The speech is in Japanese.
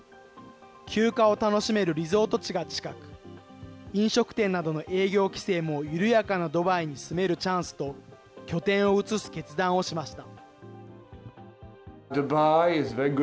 休暇を楽しめるリゾート地が近く、飲食店などの営業規制も緩やかなドバイに住めるチャンスと、拠点を移す決断をしました。